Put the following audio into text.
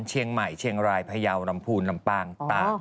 เชียงใหม่เชียงรายพยาวลำพูนลำปางตาก